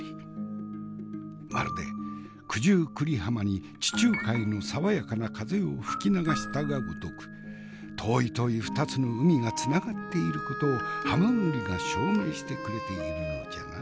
まるで九十九里浜に地中海の爽やかな風を吹き流したがごとく遠い遠い２つの海がつながっていることをはまぐりが証明してくれているのじゃな。